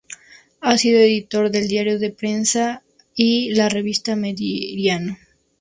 Ha sido editor del diario La Prensa y la revista Meridiano.